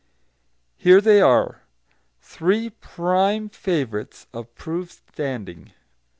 Here they are, three prime favourites of proved standing.